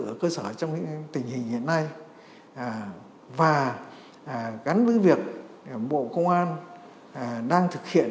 ở cơ sở trong tình hình hiện nay và gắn với việc bộ công an đang thực hiện